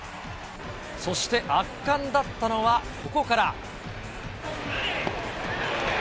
そして圧巻だったのはここから。